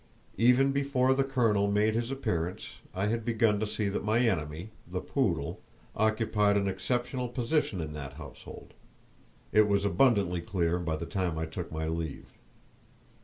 Even before the colonel made his appearance I had begun to see that my enemy, the poodle, occupied an exceptional position in that household. It was abundantly clear by the time I took my leave.